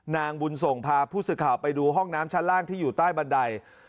นางบุญส่งพาผู้สื่อข่าวไปดูห้องน้ำชั้นล่างที่อยู่ใต้บันได